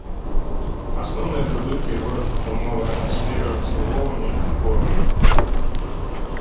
Асноўныя прыбыткі горад атрымоўвае ад сферы абслугоўвання і порта.